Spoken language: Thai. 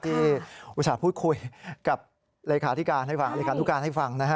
ที่อุตส่าห์พูดคุยกับเลขาธุการให้ฟัง